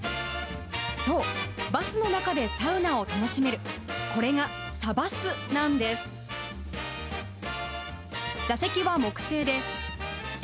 そう、バスの中でサウナを楽しめる、これがサバスなんです。